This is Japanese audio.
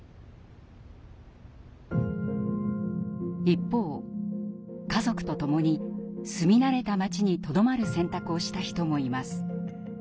一方家族とともに住み慣れた街にとどまる選択をした人もいます。